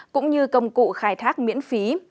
cũng như công cụ khai thác miễn phí